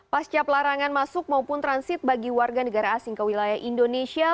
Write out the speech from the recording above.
pasca pelarangan masuk maupun transit bagi warga negara asing ke wilayah indonesia